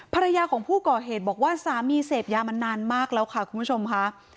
ภรรยาของผู้ก่อเหตุบอกว่าสามีเสพยามานานมากแล้วค่ะคุณผู้ชมค่ะ